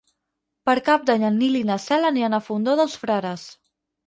Per Cap d'Any en Nil i na Cel aniran al Fondó dels Frares.